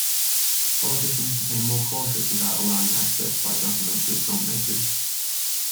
Politicians became more cautious about allowing access by documentary filmmakers.